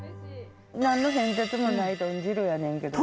何の変哲もない豚汁やねんけどね。